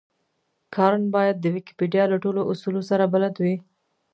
کارن بايد د ويکيپېډيا له ټولو اصولو سره بلد وي.